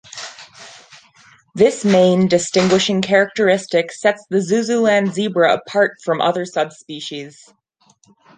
This main, distinguishing characteristic sets the Zuzuland Zebra apart from the other subspecies.